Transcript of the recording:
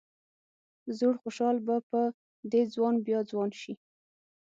زوړ خوشال به په دې ځوان بیا ځوان شي.